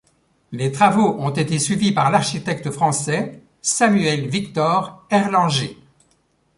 Les travaux ont été suivis par l'architecte français Samuel Victor Erlanger.